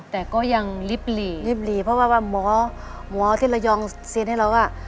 แต่ก็ยังริบหลีริบหลีเพราะว่าหมอเทรายองเซ็นต์ให้เรา